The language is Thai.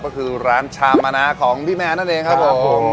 ก็คือร้านชามนะของพี่แมนนั่นเองครับผมครับผม